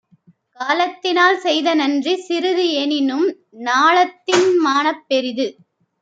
காலத்தி னால்செய்த நன்றி சிறிதுஎனினும் ஞாலத்தின் மானப் பெரிது.